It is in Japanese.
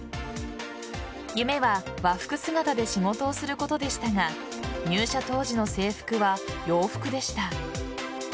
夢は和服姿で仕事をすることでしたが入社当時の制服は洋服でした。